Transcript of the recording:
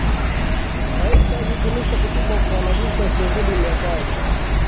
Rais aliidhinisha kutumwa kwa wanajeshi wasiozidi mia tano